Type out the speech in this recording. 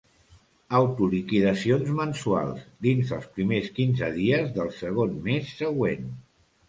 Autoliquidacions mensuals, dins els primers quinze dies del segon mes següent.